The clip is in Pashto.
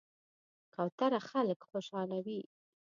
کوتره خلک خوشحالوي.